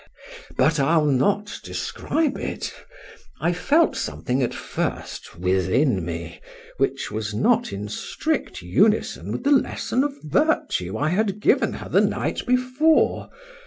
— But I'll not describe it;—I felt something at first within me which was not in strict unison with the lesson of virtue I had given her the night before.